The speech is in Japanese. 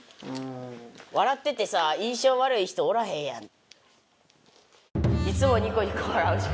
笑っててさ印象悪い人おらへんやん。